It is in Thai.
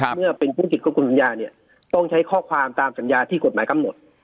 เมื่อเป็นผู้ติดควบคุมสัญญาเนี่ยต้องใช้ข้อความตามสัญญาที่กฎหมายกำหนด